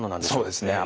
そうですね。